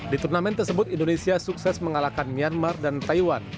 di turnamen tersebut indonesia sukses mengalahkan myanmar dan taiwan